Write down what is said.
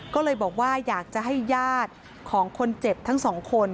ก็เลยบอกว่าอยากจะให้ญาติของคนเจ็บทั้งสองคน